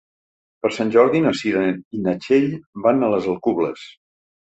Per Sant Jordi na Cira i na Txell van a les Alcubles.